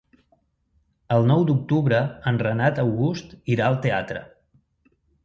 El nou d'octubre en Renat August irà al teatre.